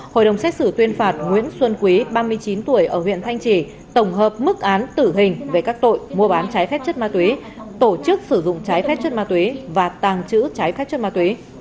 hội đồng xét xử tuyên phạt nguyễn xuân quý ba mươi chín tuổi ở huyện thanh trì tổng hợp mức án tử hình về các tội mua bán trái phép chất ma túy tổ chức sử dụng trái phép chất ma túy và tàng trữ trái phép chất ma túy